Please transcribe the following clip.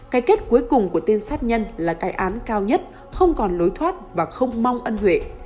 cái kết cuối cùng của tên sát nhân là cái án cao nhất không còn lối thoát và không mong ân huệ